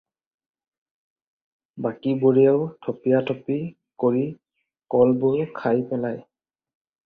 বাকীবোৰেও থপিয়াথপি কৰি কলবোৰ খাই পেলায়।